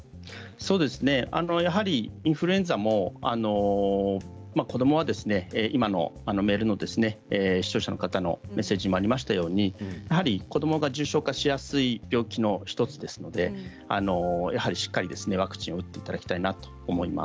やはりインフルエンザも子どもは今のメールの視聴者の方のメッセージにもありましたように子どもが重症化しやすい病気の１つですのでやはり、しっかりワクチンを打っていただきたいなと思います。